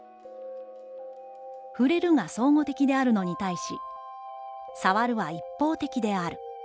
「『ふれる』が相互的であるのに対し、『さわる』は一方的である。